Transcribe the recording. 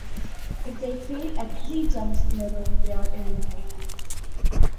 If they fail at three jumps in a row, they are eliminated.